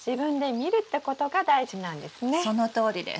そのとおりです。